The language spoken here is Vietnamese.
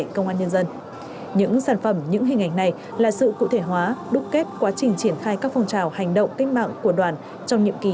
công an nhân dân những sản phẩm những hình ảnh này là sự cụ thể hóa đúc kết quá trình triển khai các phong trào hành động cách mạng của đoàn trong nhiệm kỳ hai nghìn một mươi bảy hai nghìn hai mươi hai